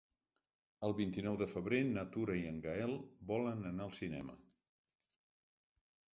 El vint-i-nou de febrer na Tura i en Gaël volen anar al cinema.